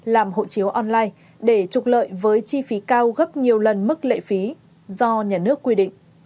làm hộ chiếu online để trục lợi với chi phí cao gấp nhiều lần mức lệ phí do nhà nước quy định